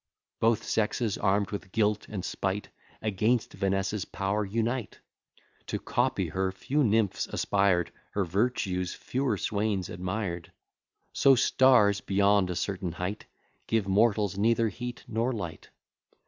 Both sexes, arm'd with guilt and spite, Against Vanessa's power unite: To copy her few nymphs aspired; Her virtues fewer swains admired. So stars, beyond a certain height, Give mortals neither heat nor light.